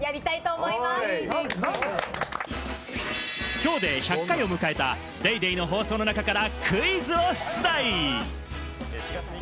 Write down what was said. きょうで１００回を迎えた『ＤａｙＤａｙ．』の放送の中からクイズを出題。